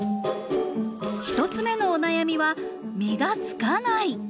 １つ目のお悩みは「実がつかない」。